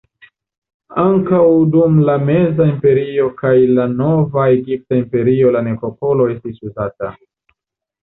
Ankaŭ dum la Meza Imperio kaj la Nova Egipta Imperio la nekropolo estis uzata.